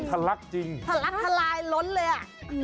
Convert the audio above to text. ทะลักจริงทะลักทลายล้นเลยอ่ะ